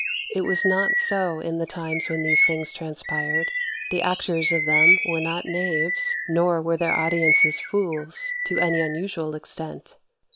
It was not so in the times when these things transpired: the actors of them were not knaves, nor were their audiences fools, to any unusual extent.